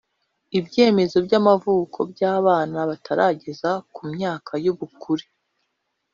ibyemezo by’amavuko by’abana batarageza ku myaka y’ubukure